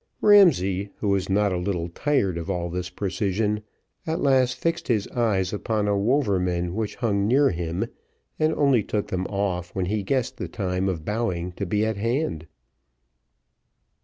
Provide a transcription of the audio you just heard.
Ramsay, who was not a little tired of all this precision, at last fixed his eyes upon a Wouvermann which hung near him, and only took them off when he guessed the time of bowing to be at hand.